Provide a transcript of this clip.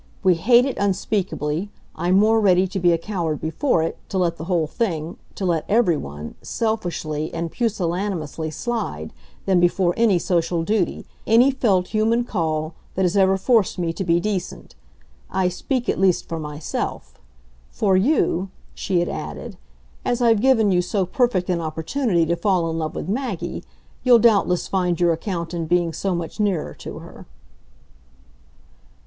We hate it unspeakably I'm more ready to be a coward before it, to let the whole thing, to let everyone, selfishly and pusillanimously slide, than before any social duty, any felt human call, that has ever forced me to be decent. I speak at least for myself. For you," she had added, "as I've given you so perfect an opportunity to fall in love with Maggie, you'll doubtless find your account in being so much nearer to her."